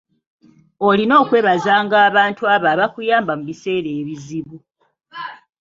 Olina okwebazanga abantu abo abakuyamba mu biseera ebizibu.